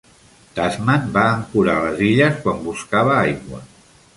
Tasman va ancorar a les illes quan buscava aigua.